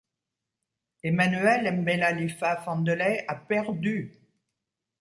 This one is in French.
Emmanuel Mbela Lifafe Endeley a perdu!